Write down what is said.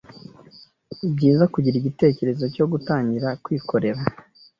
Ni byiza kugira igitekerezo cyo gutangira kwikorera,